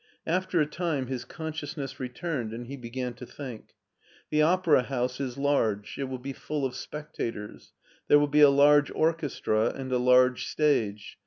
After a time his consciousness returned and he began to think. " The Opera House is large ; it will be full of specta tors. There will be a large orchestra and a large stage.